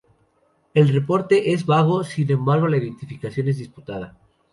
El reporte es vago, sin embargo la identificación es disputada.